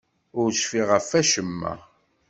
Ur cfiɣ ɣef wacemma.